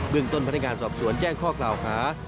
เรื่องต้นพนักงานสอบสวนแจ้งข้อกล่าวหา